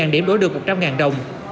một mươi điểm đổi được một trăm linh đồng